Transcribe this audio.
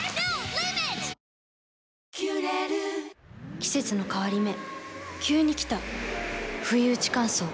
季節の変わり目急に来たふいうち乾燥。